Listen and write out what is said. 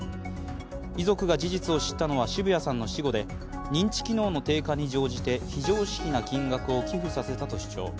遺族が事実を知ったのは澁谷さんの死後で、認知機能の低下に乗じて非常識な金額を寄付させたと主張。